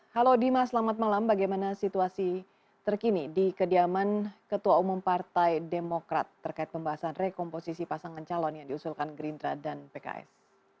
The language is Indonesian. halo dimas selamat malam bagaimana situasi terkini di kediaman ketua umum partai demokrat terkait pembahasan rekomposisi pasangan calon yang diusulkan gerindra dan pks